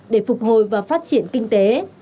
để phục hồi và phát triển kinh tế